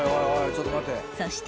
ちょっと待って。